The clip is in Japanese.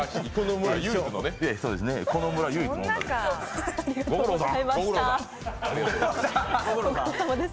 この村、唯一の女です。